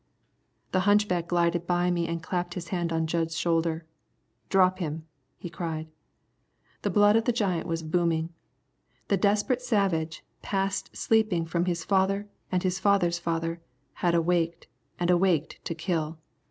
The hunchback glided by me and clapped his hand on Jud's shoulder. "Drop him," he cried. The blood of the giant was booming. The desperate savage, passed sleeping from his father and his father's father, had awaked, and awaked to kill.